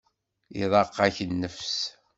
Iḍaq-ak nnefs?